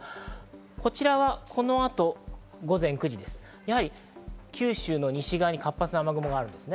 こちらはこの後、九州の西側に活発な雨雲があるんですね。